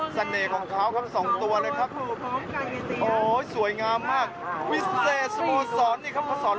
ใช่